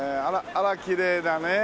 あらきれいだね。